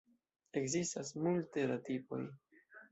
Ekzistas multe da tipoj.